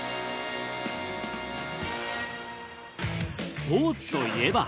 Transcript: スポーツといえば。